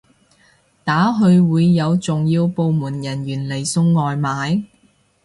打去會有重要部門人員嚟送外賣？